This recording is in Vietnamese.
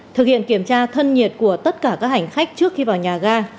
thực hiện kiểm tra thân nhiệt của tất cả các hành khách trước khi vào nhà ga